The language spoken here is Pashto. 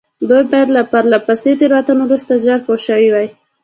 دوی باید له پرله پسې تېروتنو وروسته ژر پوه شوي وای.